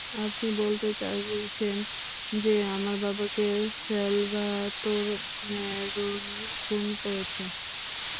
আপনি বলতে চাইছেন যে, আমার বাবাকে স্যালভ্যাতোর ম্যারোনি খুন করেছে?